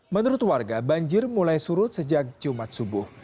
menurut warga banjir mulai surut sejak jumat subuh